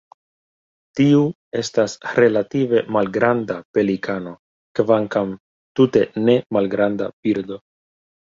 Tiu estas relative malgranda pelikano kvankam tute ne malgranda birdo.